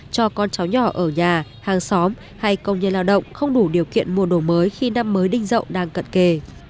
cho con cháu nhỏ ở nhà hàng xóm hay công nhân lao động không đủ điều kiện mua đồ mới khi năm mới đinh rậu đang cận kề